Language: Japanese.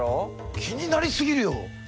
気になり過ぎるよ。